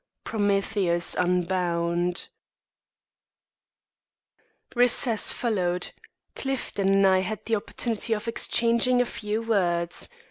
Prometheus Unbound. Recess followed. Clifton and I had the opportunity of exchanging a few words.